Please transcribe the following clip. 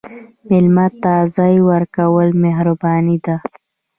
مېلمه ته ځای ورکول مهرباني ده.